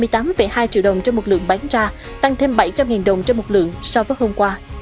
hai mươi tám hai triệu đồng trên một lượng bán ra tăng thêm bảy trăm linh đồng trên một lượng so với hôm qua